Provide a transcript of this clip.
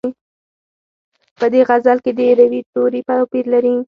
په دې غزل کې د روي توري توپیر لري.